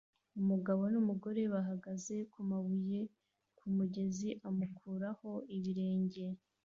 Umugabo numugore bahagaze kumabuye kumugezi amukuraho ibirenge